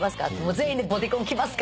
全員でボディコン着ますか？